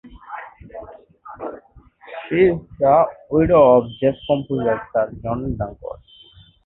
She is the widow of jazz composer Sir John Dankworth.